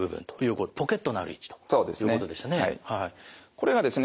これがですね